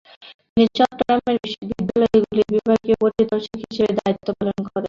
তিনি চট্টগ্রামের বিদ্যালয়গুলির বিভাগীয় পরিদর্শক হিসাবে দায়িত্ব পালন করেন।